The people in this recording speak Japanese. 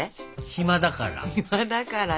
暇だから。